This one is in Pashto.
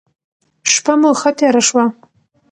شپه مو ښه تیره شوه.